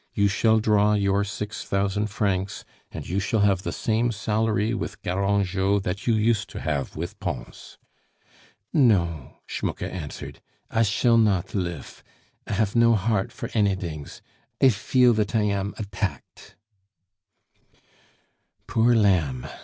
You shall draw your six thousand francs, and you shall have the same salary with Garangeot that you used to have with Pons." "No," Schmucke answered. "I shall not lif.... I haf no heart for anydings; I feel that I am attacked " "Poor lamb!"